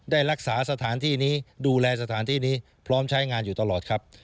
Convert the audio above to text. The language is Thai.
ได้รักษาสถานที่นี้ดูแลสถานที่นี้พร้อมใช้งานอยู่ตลอดครับ